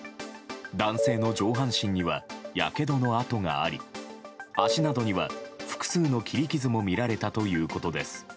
男性の上半身にはやけどの痕があり足などには複数の切り傷も見られたということです。